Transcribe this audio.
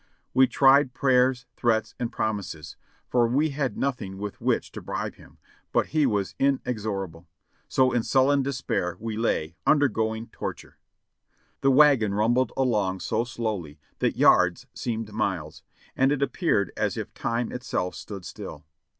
We tried prayers, tlireats and promises, for we had nothing with which to bribe him, but he was inexorable ; so in sullen despair we lay, undergoing torture. The wagon rumbled along so slowly that yards seemed miles, and it appeared as if time itself stood still.